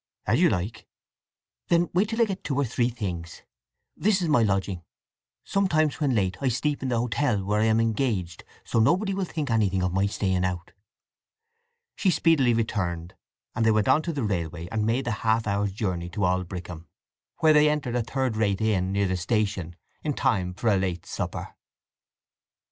"As you like." "Then wait till I get two or three things. This is my lodging. Sometimes when late I sleep at the hotel where I am engaged, so nobody will think anything of my staying out." She speedily returned, and they went on to the railway, and made the half hour's journey to Aldbrickham, where they entered a third rate inn near the station in time for a late supper.